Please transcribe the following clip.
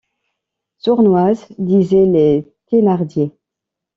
Sournoise! disaient les Thénardier.